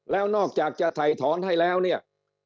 แล้วนอกจากจะถ่ายถอนให้แล้วเนี่ย